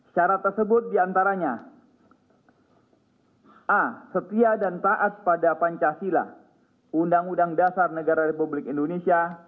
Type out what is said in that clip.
syarat tersebut diantaranya a setia dan taat pada pancasila undang undang dasar negara republik indonesia